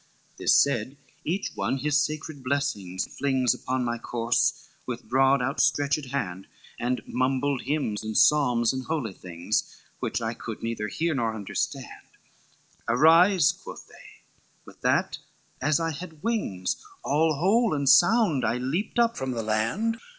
XXVIII "This said, each one his sacred blessings flings Upon my corse, with broad our stretched hand, And mumbled hymns and psalms and holy things, Which I could neither hear nor understand; 'Arise,' quoth they, with that as I had wings, All whole and sound I leaped up from the land.